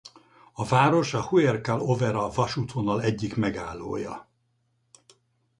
A város a Huercal-Overa vasútvonal egyik megállója.